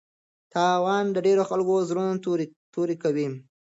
تاوان د ډېرو خلکو زړونه توري کوي.